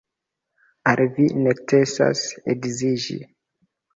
Al vi necesas edziĝi.